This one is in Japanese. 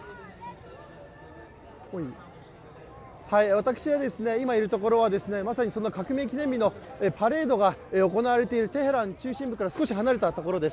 私が今いるところはまさに革命記念日のパレードが行われているテヘラン中心部から少し離れたところです。